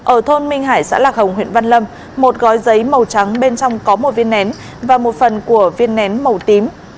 ở thôn minh hải xã lạc hồng huyện văn lâm một gói giấy màu trắng bên trong có một viên nén và một phần của viên nén màu tím